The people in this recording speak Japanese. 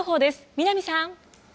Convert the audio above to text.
南さん。